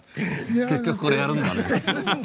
結局これやるんだね。